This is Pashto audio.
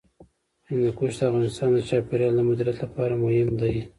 هندوکش د افغانستان د چاپیریال د مدیریت لپاره مهم دي.